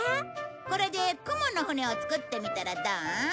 これで雲の舟を作ってみたらどう？